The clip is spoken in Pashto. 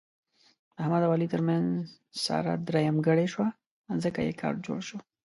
د احمد او علي ترمنځ ساره درېیمګړې شوه، ځکه یې کار جوړ شو.